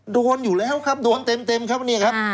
โดนอยู่แล้วครับโดนเต็มครับ